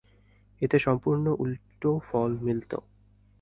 এতে সম্পূর্ণ উল্টো ফল মিলতো।